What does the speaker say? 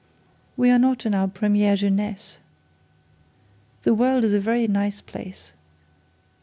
We are not in our premiere jeunesse. The world is a very nice place.